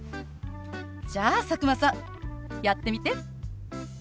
じゃあ佐久間さんやってみて。